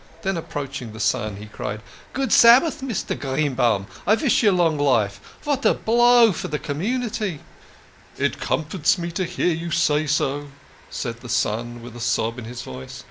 Then approaching the son, he cried, " Good Sabbath, Mr. Greenbaum ; I vish you long life. Vat a blow for de community !" 74 THE KING GF SCHNORRERS. " It comforts me to hear you say so," said the son, with a sob in his voice.